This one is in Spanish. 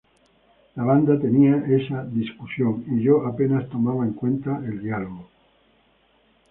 La banda tenía esta discusión y yo apenas tomaba en cuenta el diálogo.